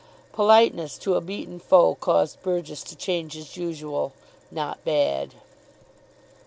Politeness to a beaten foe caused Burgess to change his usual "not bad."